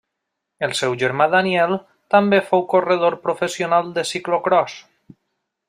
El seu germà Daniel també fou corredor professional de ciclocròs.